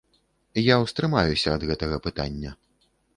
Я ўстрымаюся ад гэтага пытання.